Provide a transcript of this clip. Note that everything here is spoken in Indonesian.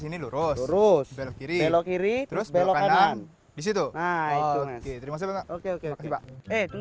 selamat pak ion